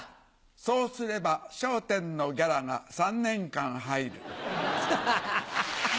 そうすれば『笑点』のギャラが３年間入る。